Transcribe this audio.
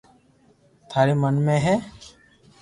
ٿاري من ۾ ھي